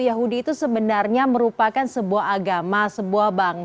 yahudi itu sebenarnya merupakan sebuah agama sebuah perang